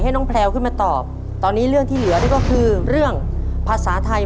น้องแพลวขึ้นมาตอบตอนนี้เรื่องที่เหลือนี่ก็คือเรื่องภาษาไทย